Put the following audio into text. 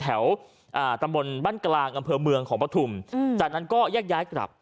แถวตำบลบ้านกลางอำเภอเมืองของปฐุมจากนั้นก็แยกย้ายกลับ